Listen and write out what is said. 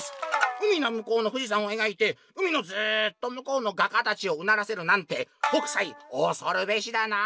「海のむこうの富士山をえがいて海のずっとむこうの画家たちをうならせるなんて北斎おそるべしだな」。